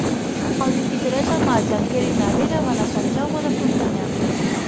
El vint-i-tres de maig en Quer i na Vera van a Sant Jaume de Frontanyà.